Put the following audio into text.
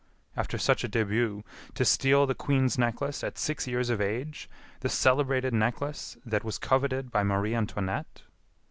"After such a début! To steal the Queen's Necklace at six years of age; the celebrated necklace that was coveted by Marie Antoinette!"